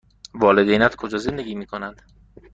والدینت کجا زندگی می کنند؟